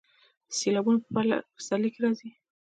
سیلابونه په پسرلي کې راځي